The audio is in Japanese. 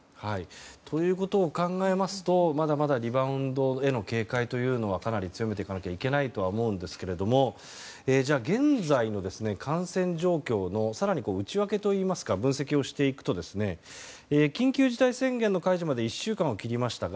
ということを考えますとまだまだリバウンドへの警戒はかなり強めていかなきゃいけないとは思うんですが現在の感染状況の更に内訳といいますか分析をしていくと緊急事態宣言の解除まで１週間を切りましたが